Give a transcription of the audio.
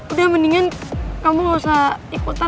udah mendingan kamu gak usah ikutan